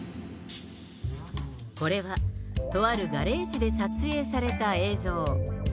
これはとあるガレージで撮影された映像。